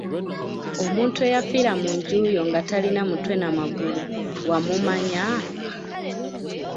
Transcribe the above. Omuntu eyafiira mu nju yo nga talina mutwe na magulu wamumanya?